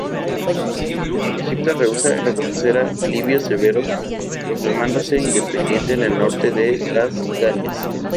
Egidio rehúsa reconocer a Libio Severo, proclamándose independiente en el norte de las Galias.